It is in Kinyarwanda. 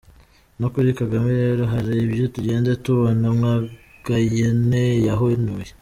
No kuri Kagame rero hari ibyo tugenda tubona Magayane yahanuye.